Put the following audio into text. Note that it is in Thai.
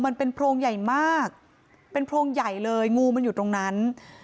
โพรงใหญ่มากเป็นโพรงใหญ่เลยงูมันอยู่ตรงนั้น